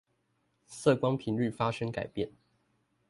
色光頻率發生改變